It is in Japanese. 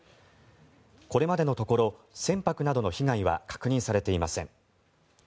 これまでのところ船舶などの被害は確認されていません。